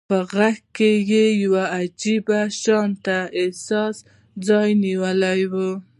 په غږ کې يې يو عجيب شانته احساس ځای نيولی و.